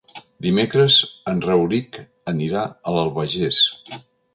Dimecres en Rauric anirà a l'Albagés.